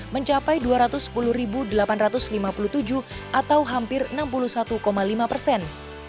mencapai dua ratus sepuluh delapan ratus lima puluh tujuh atau hampir enam puluh satu lima persen